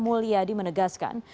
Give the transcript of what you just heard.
mulia di menegaskan